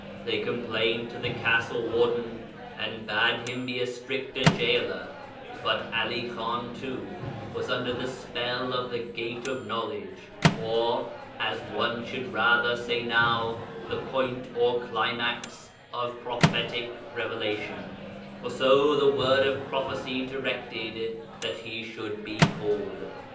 They complained to the castle warden, and bade him be a stricter gaoler, but 'Ali Khan, too, was under the spell of the Gate of Knowledge; or as one should rather say now the Point or Climax of Prophetic Revelation, for so the Word of Prophecy directed that he should be called.